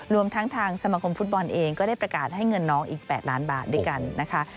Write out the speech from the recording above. รวมทั้งทางสมคมฟุตบอลเองก็ได้ประกาศให้เงินน้องอีก๘ล้านบาทด้วยกันนะคะ